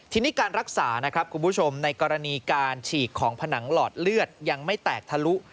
ทีนี้การรักษานะครับคุณผู้ชมในกรณีการฉีกของผนังหลอดเลือดยังไม่แตกทะลุ